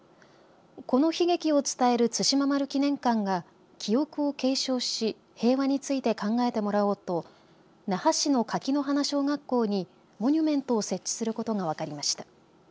この悲劇を伝える対馬丸記念館が記憶を継承し平和について考えてもらおうと那覇市の垣花小学校にモニュメントを設置することが分かりました。